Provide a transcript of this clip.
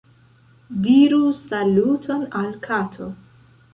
Diru saluton al kato.